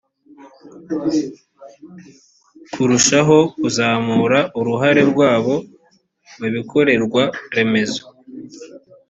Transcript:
kurushaho kuzamura uruhare rwabo mu bibakorerwa remezo.